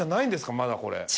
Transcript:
まだこれ。